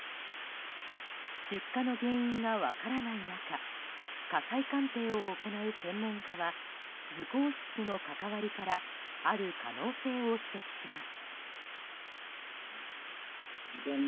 出火の原因が分からない中火災鑑定を行う専門家は図工室との関わりからある可能性を指摘します。